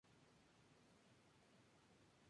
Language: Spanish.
Home Entertainment.